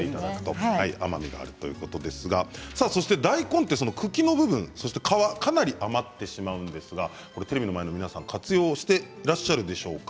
そして大根って茎の部分そして皮、かなり余ってしまうんですがテレビの前の皆さん活用していらっしゃるでしょうか。